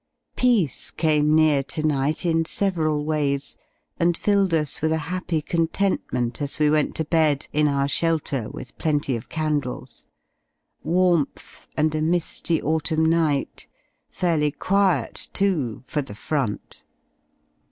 Peace came near to night in several w^ays and filled us with a happy content ment as we went to bed in our shelter with plenty of candles. Warmth, and a mi^y autumn night; fairly quiet, too, for the Front!